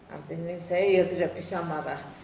artinya saya ya tidak bisa marah